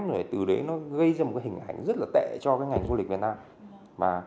rồi từ đấy nó gây ra một hình ảnh rất là tệ cho ngành du lịch việt nam